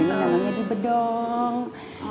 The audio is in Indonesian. ini dalamnya di bedong